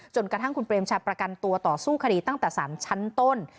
จนกระทั่งคุณเปรมชาประกันตัวต่อสู้คดีตั้งแต่สารชั้นต้น